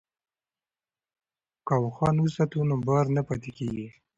که اوښان وساتو نو بار نه پاتې کیږي.